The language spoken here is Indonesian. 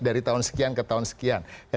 dari tahun sekian ke tahun sekian